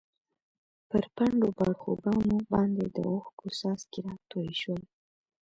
پر پڼډو باړخوګانو باندې د اوښکو څاڅکي راتوی شول.